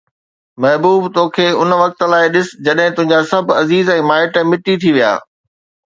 محبوب، تو کي ان وقت لاءِ ڏس، جڏهن تنهنجا سڀ عزيز ۽ مائٽ مٽي ٿي ويا.